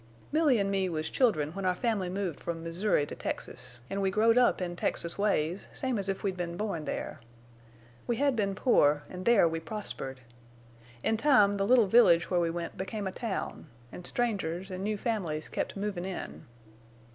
"Milly an' me was children when our family moved from Missouri to Texas, an' we growed up in Texas ways same as if we'd been born there. We had been poor, an' there we prospered. In time the little village where we went became a town, an' strangers an' new families kept movin' in.